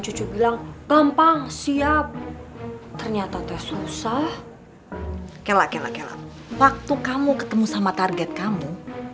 cucu bilang gampang siap ternyata tes rusak kela kela waktu kamu ketemu sama target kamu